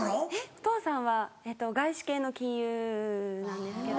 お父さんは外資系の金融なんですけど。